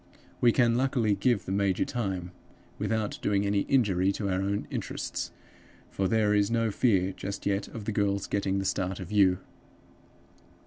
We can luckily give the major time, without doing any injury to our own interests; for there is no fear just yet of the girl's getting the start of you.